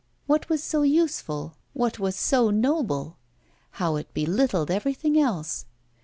What was so useful, what was so noble? how it belittled everything else!